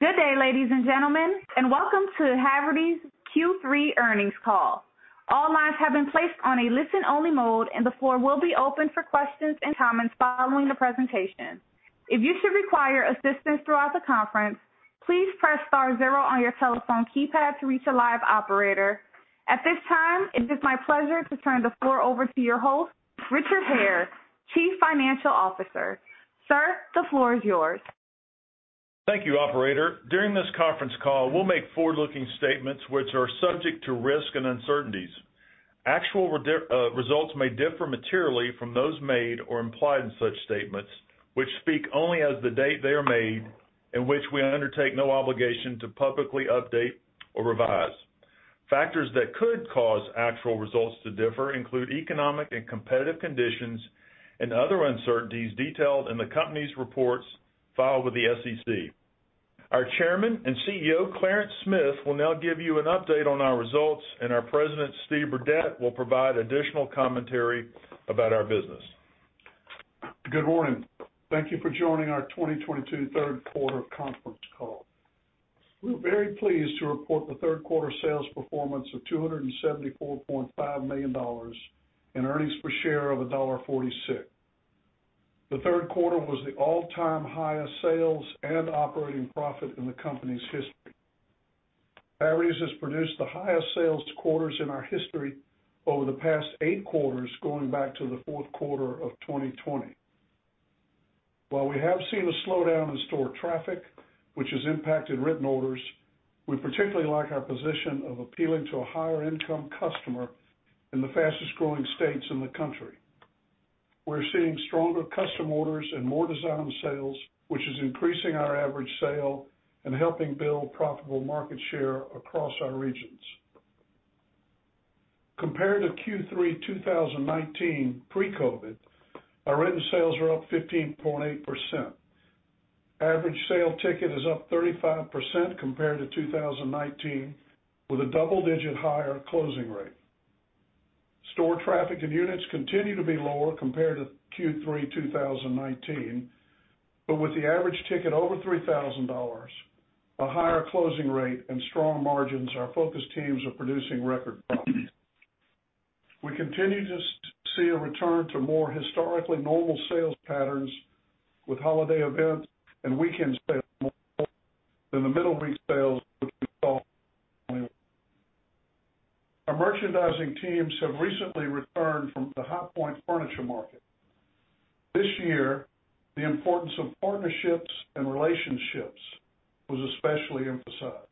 Good day, ladies and gentlemen, and welcome to Haverty's Q3 earnings call. All lines have been placed on a listen-only mode, and the floor will be open for questions and comments following the presentation. If you should require assistance throughout the conference, please press star zero on your telephone keypad to reach a live operator. At this time, it is my pleasure to turn the floor over to your host, Richard Hare, Chief Financial Officer. Sir, the floor is yours. Thank you, Operator. During this conference call, we'll make forward-looking statements which are subject to risk and uncertainties. Actual results may differ materially from those made or implied in such statements, which speak only as of the date they are made and which we undertake no obligation to publicly update or revise. Factors that could cause actual results to differ include economic and competitive conditions and other uncertainties detailed in the company's reports filed with the SEC. Our Chairman and CEO, Clarence Smith, will now give you an update on our results, and our President, Steve Burdette, will provide additional commentary about our business. Good morning. Thank you for joining our 2022 third quarter conference call. We're very pleased to report the third quarter sales performance of $274.5 million and earnings per share of $1.46. The third quarter was the all-time highest sales and operating profit in the company's history. Haverty's has produced the highest sales quarters in our history over the past eight quarters, going back to the fourth quarter of 2020. While we have seen a slowdown in store traffic, which has impacted written orders, we particularly like our position of appealing to a higher-income customer in the fastest-growing states in the country. We're seeing stronger custom orders and more design sales, which is increasing our average sale and helping build profitable market share across our regions. Compared to Q3 2019 pre-COVID, our written sales are up 15.8%. Average sale ticket is up 35% compared to 2019, with a double-digit higher closing rate. Store traffic and units continue to be lower compared to Q3 2019, but with the average ticket over $3,000, a higher closing rate, and strong margins, our focus teams are producing record profits. We continue to see a return to more historically normal sales patterns with holiday events and weekend sales than the middle-week sales, which we saw only once. Our merchandising teams have recently returned from the High Point furniture market. This year, the importance of partnerships and relationships was especially emphasized.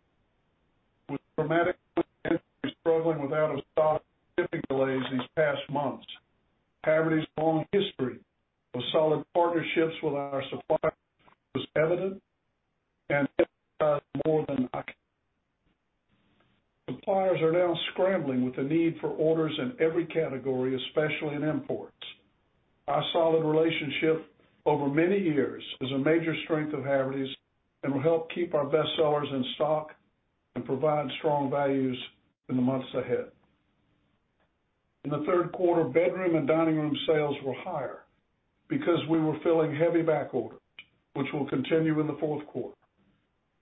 With dramatic inventory struggling with out-of-stock shipping delays these past months, Haverty's long history of solid partnerships with our suppliers was evident and emphasized more than I can. Suppliers are now scrambling with the need for orders in every category, especially in imports. Our solid relationship over many years is a major strength of Haverty's and will help keep our bestsellers in stock and provide strong values in the months ahead. In the third quarter, bedroom and dining room sales were higher because we were filling heavy back orders, which will continue in the fourth quarter.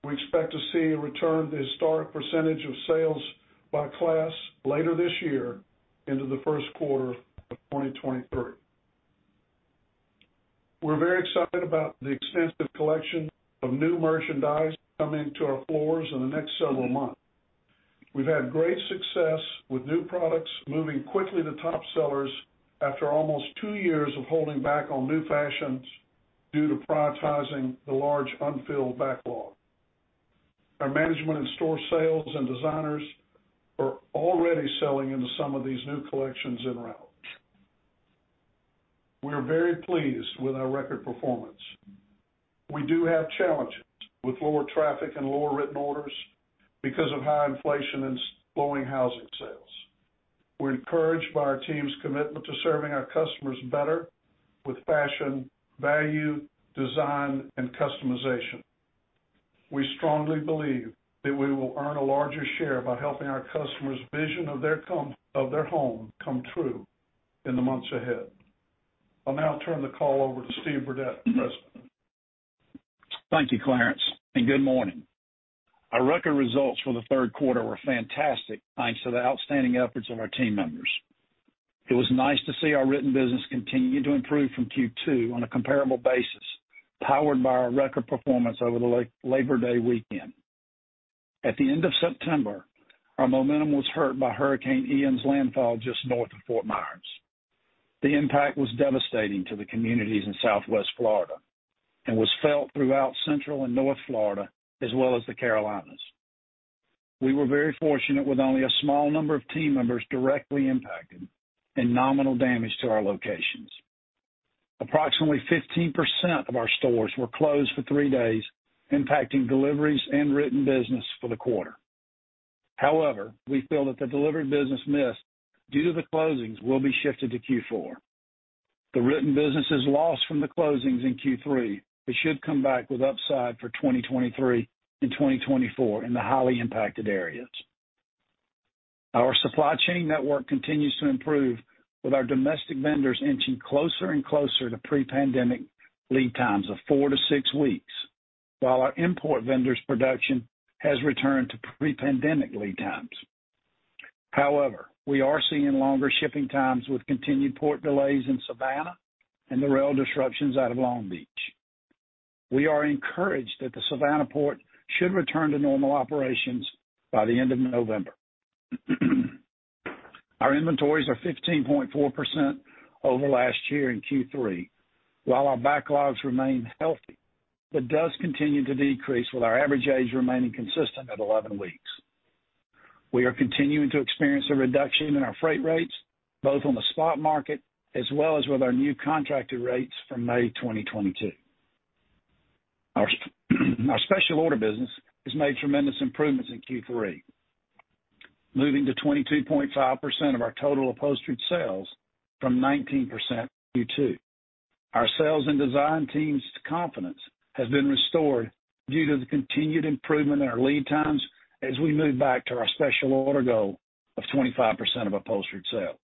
We expect to see a return to historic percentage of sales by class later this year into the first quarter of 2023. We're very excited about the extensive collection of new merchandise coming to our floors in the next several months. We've had great success with new products moving quickly to top sellers after almost two years of holding back on new fashions due to prioritizing the large unfilled backlog. Our management and store sales and designers are already selling into some of these new collections en route. We're very pleased with our record performance. We do have challenges with lower traffic and lower written orders because of high inflation and slowing housing sales. We're encouraged by our team's commitment to serving our customers better with fashion, value, design, and customization. We strongly believe that we will earn a larger share by helping our customers' vision of their home come true in the months ahead. I'll now turn the call over to Steve Burdette, President. Thank you, Clarence, and good morning. Our record results for the third quarter were fantastic, thanks to the outstanding efforts of our team members. It was nice to see our written business continue to improve from Q2 on a comparable basis, powered by our record performance over the Labor Day weekend. At the end of September, our momentum was hurt by Hurricane Ian's landfall just north of Fort Myers. The impact was devastating to the communities in southwest Florida and was felt throughout central and north Florida, as well as the Carolinas. We were very fortunate with only a small number of team members directly impacted and nominal damage to our locations. Approximately 15% of our stores were closed for three days, impacting deliveries and written business for the quarter. However, we feel that the delivered business missed due to the closings will be shifted to Q4. The written business is lost from the closings in Q3 but should come back with upside for 2023 and 2024 in the highly impacted areas. Our supply chain network continues to improve, with our domestic vendors inching closer and closer to pre-pandemic lead times of four to six weeks, while our import vendors' production has returned to pre-pandemic lead times. However, we are seeing longer shipping times with continued port delays in Savannah and the rail disruptions out of Long Beach. We are encouraged that the Savannah port should return to normal operations by the end of November. Our inventories are 15.4% over last year in Q3, while our backlogs remain healthy but do continue to decrease, with our average age remaining consistent at 11 weeks. We are continuing to experience a reduction in our freight rates, both on the spot market as well as with our new contracted rates from May 2022. Our special order business has made tremendous improvements in Q3, moving to 22.5% of our total upholstered sales from 19% Q2. Our sales and design team's confidence has been restored due to the continued improvement in our lead times as we move back to our special order goal of 25% of upholstered sales.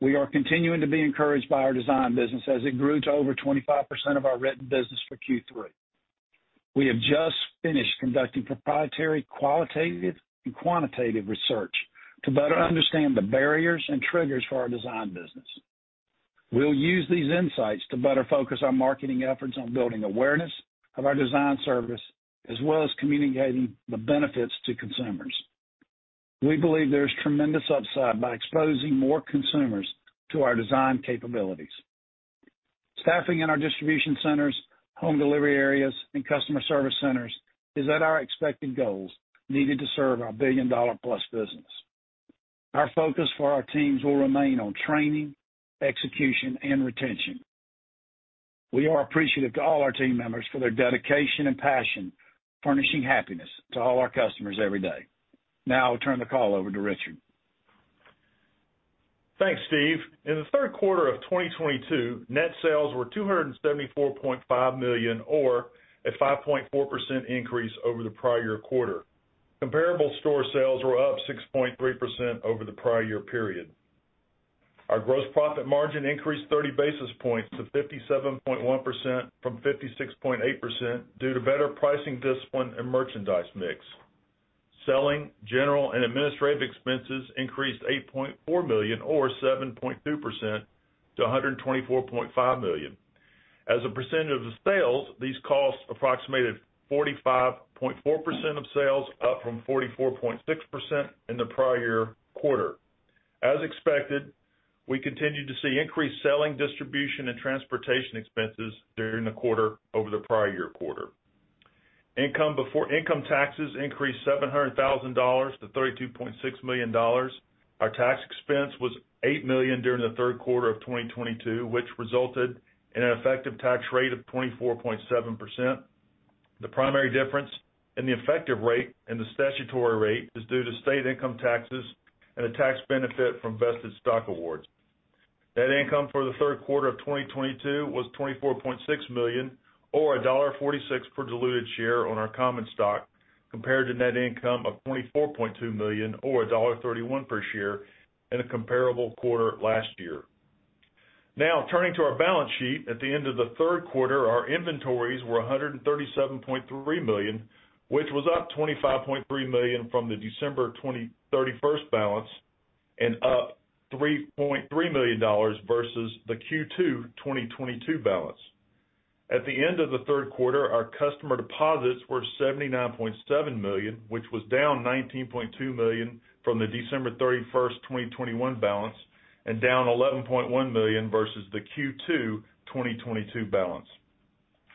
We are continuing to be encouraged by our design business as it grew to over 25% of our written business for Q3. We have just finished conducting proprietary qualitative and quantitative research to better understand the barriers and triggers for our design business. We'll use these insights to better focus our marketing efforts on building awareness of our design service as well as communicating the benefits to consumers. We believe there is tremendous upside by exposing more consumers to our design capabilities. Staffing in our distribution centers, home delivery areas, and customer service centers is at our expected goals needed to serve our billion-dollar-plus business. Our focus for our teams will remain on training, execution, and retention. We are appreciative to all our team members for their dedication and passion furnishing happiness to all our customers every day. Now I'll turn the call over to Richard. Thanks, Steve. In the third quarter of 2022, net sales were $274.5 million or a 5.4% increase over the prior year quarter. Comparable store sales were up 6.3% over the prior year period. Our gross profit margin increased 30 basis points to 57.1% from 56.8% due to better pricing discipline and merchandise mix. Selling, general, and administrative expenses increased $8.4 million or 7.2% to $124.5 million. As a percentage of the sales, these costs approximated 45.4% of sales, up from 44.6% in the prior year quarter. As expected, we continue to see increased selling, distribution, and transportation expenses during the quarter over the prior year quarter. Income taxes increased $700,000 million-$32.6 million. Our tax expense was $8 million during the third quarter of 2022, which resulted in an effective tax rate of 24.7%. The primary difference in the effective rate and the statutory rate is due to state income taxes and the tax benefit from vested stock awards. Net income for the third quarter of 2022 was $24.6 million or $1.46 per diluted share on our common stock compared to net income of $24.2 million or $1.31 per share in a comparable quarter last year. Now, turning to our balance sheet, at the end of the third quarter, our inventories were $137.3 million, which was up $25.3 million from the December 2021 balance and up $3.3 million versus the Q2 2022 balance. At the end of the third quarter, our customer deposits were $79.7 million, which was down $19.2 million from the December 31, 2021 balance and down $11.1 million versus the Q2 2022 balance.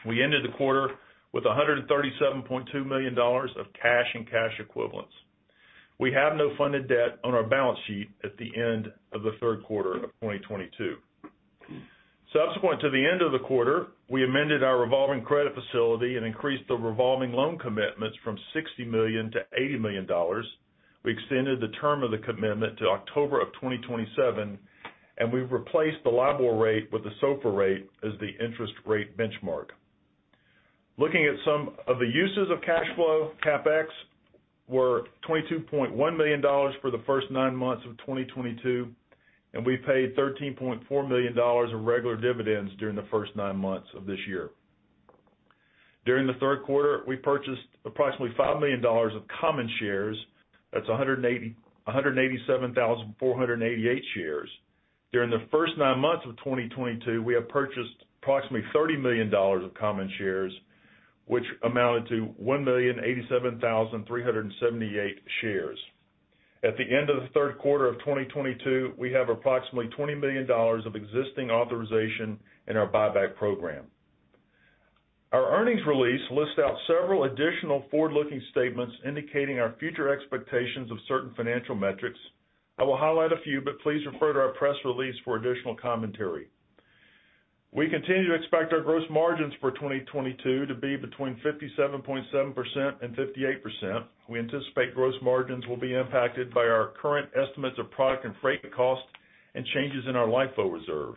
We ended the quarter with $137.2 million of cash and cash equivalents. We have no funded debt on our balance sheet at the end of the third quarter of 2022. Subsequent to the end of the quarter, we amended our revolving credit facility and increased the revolving loan commitments from $60 million to $80 million. We extended the term of the commitment to October of 2027, and we replaced the LIBOR rate with the SOFR rate as the interest rate benchmark. Looking at some of the uses of cash flow, CapEx were $22.1 million for the first nine months of 2022, and we paid $13.4 million of regular dividends during the first nine months of this year. During the third quarter, we purchased approximately $5 million of common shares. That's 187,488 shares. During the first nine months of 2022, we have purchased approximately $30 million of common shares, which amounted to 1,087,378 shares. At the end of the third quarter of 2022, we have approximately $20 million of existing authorization in our buyback program. Our earnings release lists out several additional forward-looking statements indicating our future expectations of certain financial metrics. I will highlight a few, but please refer to our press release for additional commentary. We continue to expect our gross margins for 2022 to be between 57.7%-58%. We anticipate gross margins will be impacted by our current estimates of product and freight costs and changes in our LIFO reserve.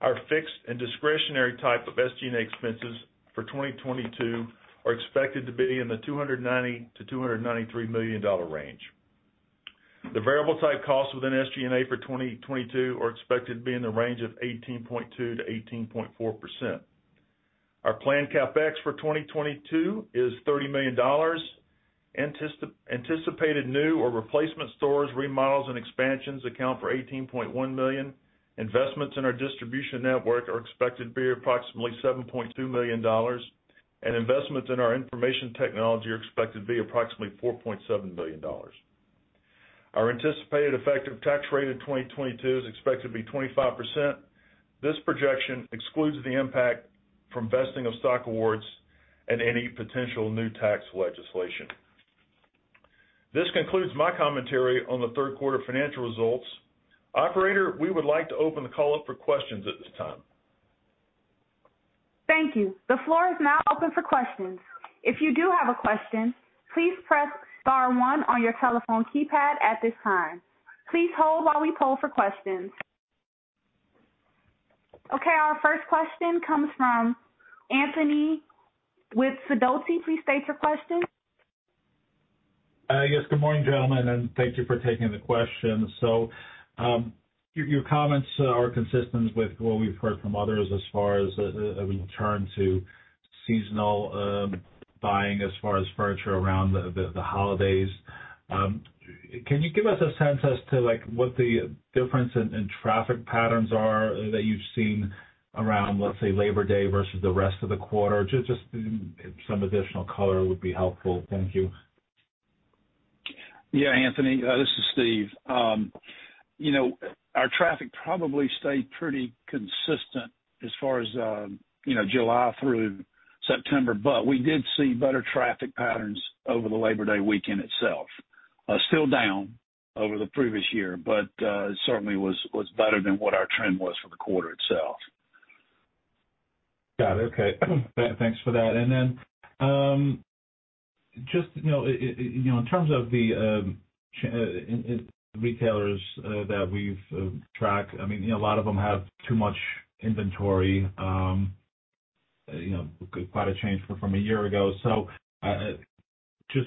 Our fixed and discretionary type of SG&A expenses for 2022 are expected to be in the $290 million-$293 million range. The variable-type costs within SG&A for 2022 are expected to be in the range of 18.2%-18.4%. Our planned CapEx for 2022 is $30 million. Anticipated new or replacement stores, remodels, and expansions account for $18.1 million. Investments in our distribution network are expected to be approximately $7.2 million, and investments in our information technology are expected to be approximately $4.7 million. Our anticipated effective tax rate in 2022 is expected to be 25%. This projection excludes the impact from vesting of stock awards and any potential new tax legislation. This concludes my commentary on the third quarter financial results. Operator, we would like to open the call up for questions at this time. Thank you. The floor is now open for questions. If you do have a question, please press star one on your telephone keypad at this time. Please hold while we pull for questions. Okay, our first question comes from Anthony with Sidoti. Please state your question. Yes, good morning, gentlemen, and thank you for taking the question. Your comments are consistent with what we've heard from others as far as a return to seasonal buying as far as furniture around the holidays. Can you give us a sense as to what the difference in traffic patterns are that you've seen around, let's say, Labor Day versus the rest of the quarter? Just some additional color would be helpful. Thank you. Yeah, Anthony, this is Steve. Our traffic probably stayed pretty consistent as far as July through September, but we did see better traffic patterns over the Labor Day weekend itself, still down over the previous year, but it certainly was better than what our trend was for the quarter itself. Got it. Okay, thanks for that. Just in terms of the retailers that we've tracked, I mean, a lot of them have too much inventory, quite a change from a year ago. Just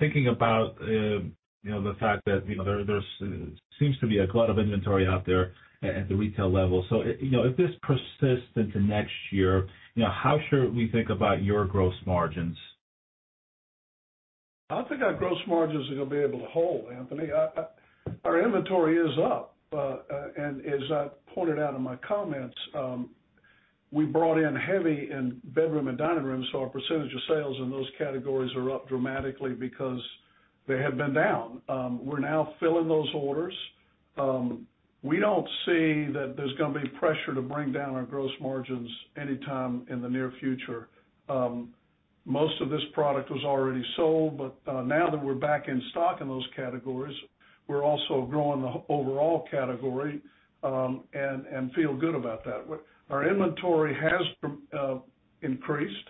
thinking about the fact that there seems to be a glut of inventory out there at the retail level. If this persists into next year, how should we think about your gross margins? I think our gross margins are going to be able to hold, Anthony. Our inventory is up. As I pointed out in my comments, we brought in heavy in bedroom and dining rooms, so our percentage of sales in those categories are up dramatically because they had been down. We're now filling those orders. We don't see that there's going to be pressure to bring down our gross margins anytime in the near future. Most of this product was already sold, but now that we're back in stock in those categories, we're also growing the overall category and feel good about that. Our inventory has increased.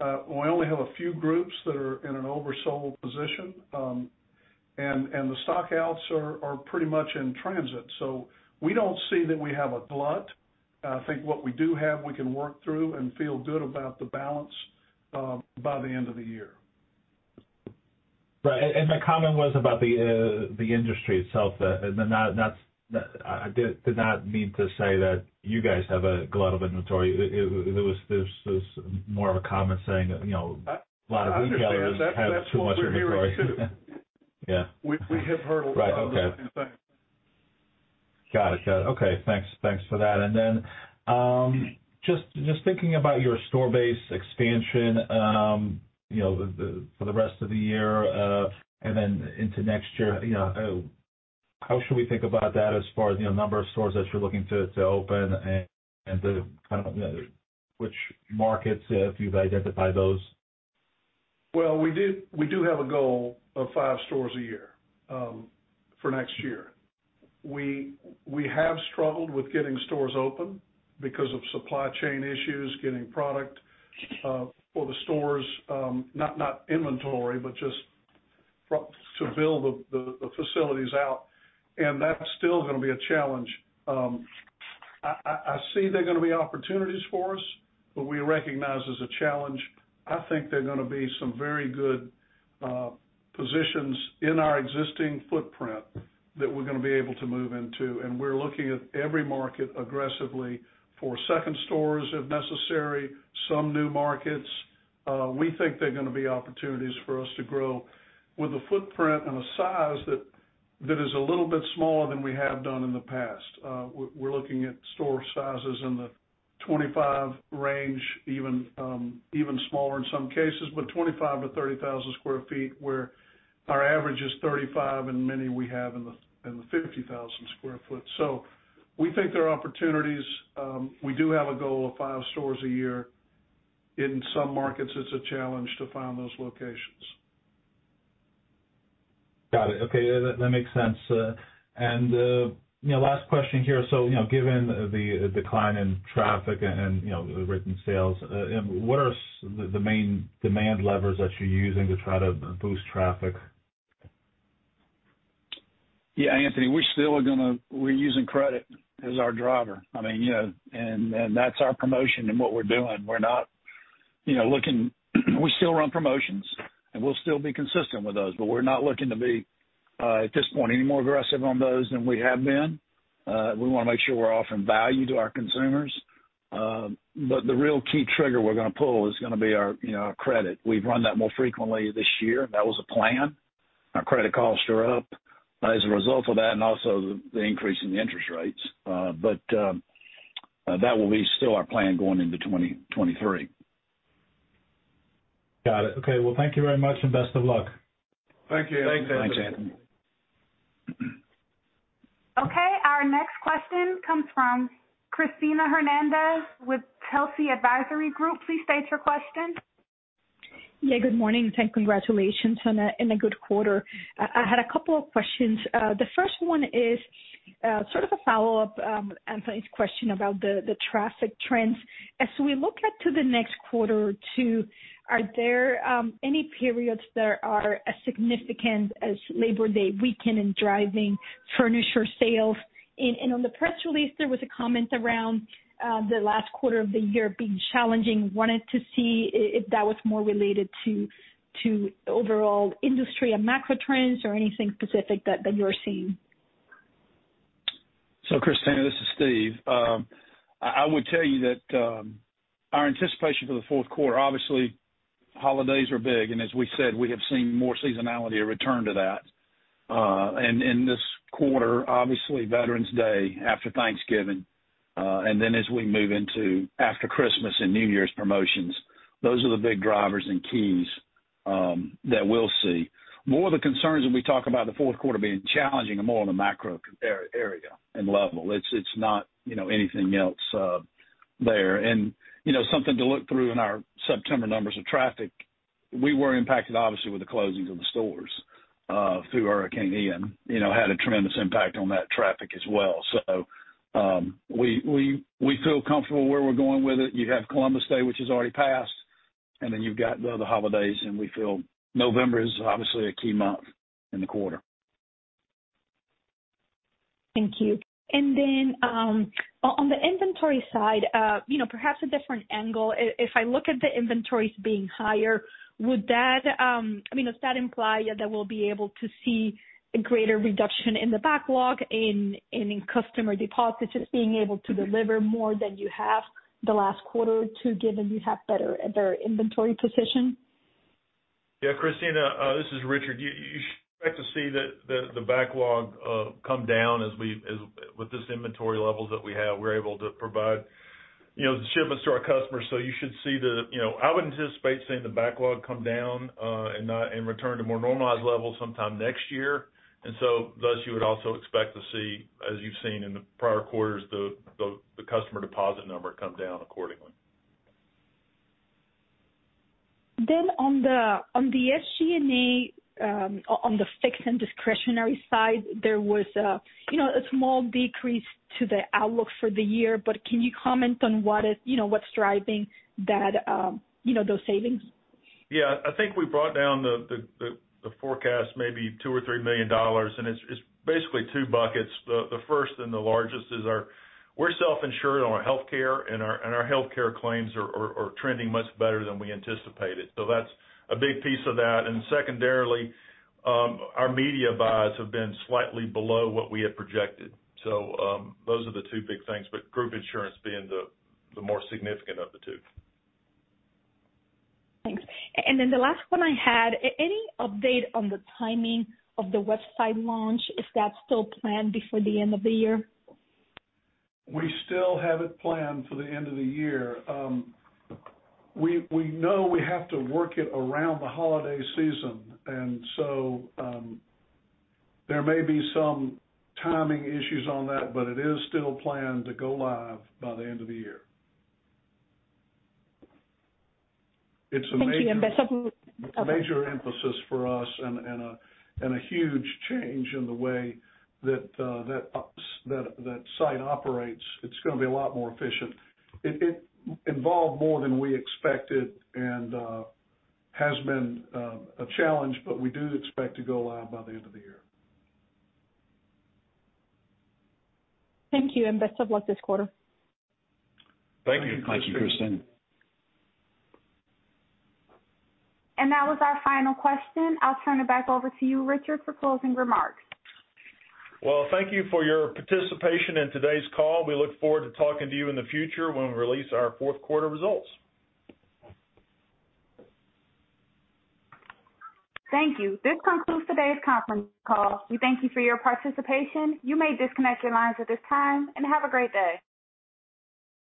We only have a few groups that are in an oversold position, and the stockouts are pretty much in transit. We don't see that we have a glut. I think what we do have, we can work through and feel good about the balance by the end of the year. Right. My comment was about the industry itself that I did not mean to say that you guys have a glut of inventory. It was more of a comment saying a lot of retailers have too much inventory. We have heard a lot of the same thing. Got it. Okay, thanks for that. Just thinking about your store base expansion for the rest of the year and then into next year, how should we think about that as far as the number of stores that you're looking to open and kind of which markets, if you've identified those? Well, we do have a goal of five stores a year for next year. We have struggled with getting stores open because of supply chain issues, getting product for the stores, not inventory, but just to build the facilities out. That's still going to be a challenge. I see there going to be opportunities for us, but we recognize as a challenge. I think there are going to be some very good positions in our existing footprint that we're going to be able to move into. We're looking at every market aggressively for second stores if necessary, some new markets. We think there are going to be opportunities for us to grow with a footprint and a size that is a little bit smaller than we have done in the past. We're looking at store sizes in the 25 range, even smaller in some cases, but 25,000 sq ft-30,000 sq ft where our average is 35, and many we have in the 50,000 sq ft. We think there are opportunities. We do have a goal of five stores a year. In some markets, it's a challenge to find those locations. Got it. Okay, that makes sense. Last question here. Given the decline in traffic and written sales, what are the main demand levers that you're using to try to boost traffic? Yeah, Anthony, we're using credit as our driver. I mean, and that's our promotion and what we're doing. We still run promotions, and we'll still be consistent with those, but we're not looking to be, at this point, any more aggressive on those than we have been. We want to make sure we're offering value to our consumers. The real key trigger we're going to pull is going to be our credit. We've run that more frequently this year, and that was a plan. Our credit costs are up as a result of that and also the increase in the interest rates. That will still be our plan going into 2023. Got it. Okay, well, thank you very much and best of luck. Thank you. Thanks, Anthony. Thanks, Anthony. Okay, our next question comes from Cristina Fernández with Telsey Advisory Group. Please state your question. Yeah, good morning and congratulations on a good quarter. I had a couple of questions. The first one is sort of a follow-up, Anthony's question, about the traffic trends. As we look at the next quarter too, are there any periods that are as significant as Labor Day weekend and driving furniture sales? And on the press release, there was a comment around the last quarter of the year being challenging. Wanted to see if that was more related to overall industry and macro trends or anything specific that you're seeing? Christina, this is Steve. I would tell you that our anticipation for the fourth quarter, obviously, holidays are big. As we said, we have seen more seasonality or return to that. In this quarter, obviously, Veterans Day after Thanksgiving, and then as we move into after Christmas and New Year's promotions, those are the big drivers and keys that we'll see. More of the concerns that we talk about the fourth quarter being challenging are more in the macro area and level. It's not anything else there. Something to look through in our September numbers of traffic, we were impacted, obviously, with the closings of the stores through Hurricane Ian. Had a tremendous impact on that traffic as well. We feel comfortable where we're going with it. You have Columbus Day, which is already past, and then you've got the other holidays, and we feel November is obviously a key month in the quarter. Thank you. Then on the inventory side, perhaps a different angle, if I look at the inventories being higher, would that I mean, does that imply that we'll be able to see a greater reduction in the backlog and in customer deposits, just being able to deliver more than you have the last quarter too, given you have better inventory position? Yeah, Cristina, this is Richard. You should expect to see the backlog come down with these inventory levels that we have. We're able to provide shipments to our customers, so I would anticipate seeing the backlog come down and return to more normalized levels sometime next year. Thus, you would also expect to see, as you've seen in the prior quarters, the customer deposit number come down accordingly. On the SG&A, on the fixed and discretionary side, there was a small decrease to the outlook for the year, but can you comment on what's driving those savings? Yeah, I think we brought down the forecast maybe $2 million-$3 million, and it's basically two buckets. The first and the largest is we're self-insured on our healthcare, and our healthcare claims are trending much better than we anticipated. That's a big piece of that. Secondarily, our media buys have been slightly below what we had projected. Those are the two big things, but group insurance being the more significant of the two. Thanks. The last one I had, any update on the timing of the website launch? Is that still planned before the end of the year? We still have it planned for the end of the year. We know we have to work it around the holiday season, and so there may be some timing issues on that, but it is still planned to go live by the end of the year. It's a major. Thank you. Best of luck. Major emphasis for us and a huge change in the way that site operates. It's going to be a lot more efficient. It involved more than we expected and has been a challenge, but we do expect to go live by the end of the year. Thank you, and best of luck this quarter. Thank you. Thank you, Cristina. That was our final question. I'll turn it back over to you, Richard, for closing remarks. Well, thank you for your participation in today's call. We look forward to talking to you in the future when we release our fourth quarter results. Thank you. This concludes today's conference call. We thank you for your participation. You may disconnect your lines at this time, and have a great day.